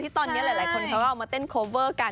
ตอนนี้หลายคนเขาก็เอามาเต้นโคเวอร์กัน